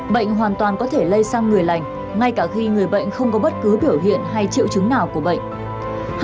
bệnh hoàn toàn có thể lây sang người lành ngay cả khi người bệnh không có bất cứ biểu hiện hay triệu chứng nào của bệnh